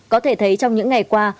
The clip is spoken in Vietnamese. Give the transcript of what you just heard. có thể thấy trong những ngày qua